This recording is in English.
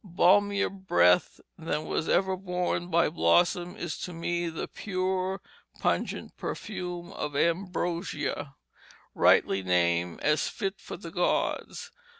Balmier breath than was ever borne by blossom is to me the pure pungent perfume of ambrosia, rightly named, as fit for the gods.